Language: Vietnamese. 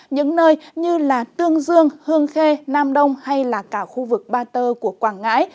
những nơi như tương dương hương khê nam đông hay là cả khu vực ba tơ của quảng ngãi